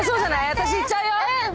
私いっちゃうよ。